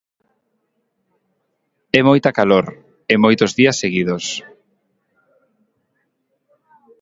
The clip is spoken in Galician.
É moita calor, e moitos días seguidos.